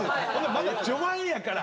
まだ序盤やから。